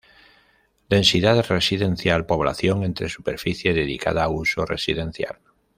Densidad residencial: población entre superficie dedicada a uso residencial.